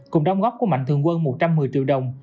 cùng đóng góp của mạnh thường quân một trăm một mươi triệu đồng